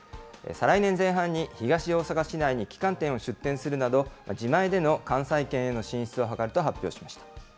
再来年前半に東大阪市内に旗艦店を出店するなど、自前での関西圏への進出を図ると発表しました。